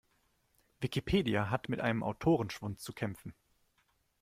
Wikipedia hat mit einem Autorenschwund zu kämpfen.